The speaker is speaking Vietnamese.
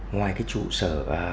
ngoài cái trụ sở